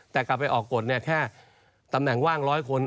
แต่กลับไปออกกฎเนี่ยแค่ตำแหน่งว่างร้อยคน